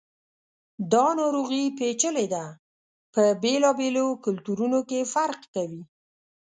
دا ناروغي پیچلي ده، په بېلابېلو کلتورونو کې فرق کوي.